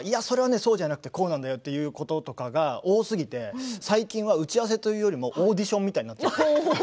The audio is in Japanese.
そうじゃなくて、こうなんだよということが多すぎて最近は打ち合わせというよりもオーディションみたいになっています。